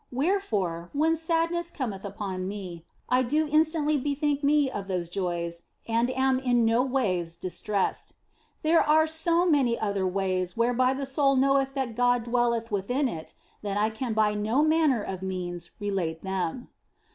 Wherefore, when sadness cometh upon me, I do instantly bethink me of those joys and am in no ways distressed. There are so many other ways whereby the soul knoweth that God dwelleth within it that I can by no manner of means relate them.